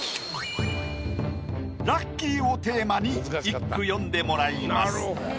ラッキーをテーマに一句詠んでもらいます。